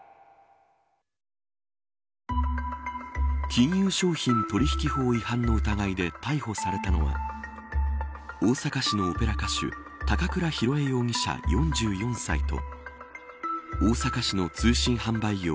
金融商品取引法違反の疑いで逮捕されたのは大阪市のオペラ歌手高倉宏恵容疑者、４４歳と大阪市の通信販売業